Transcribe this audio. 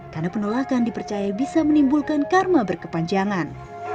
karena penolakan dipercaya bisa menimbulkan karma berkepanjangan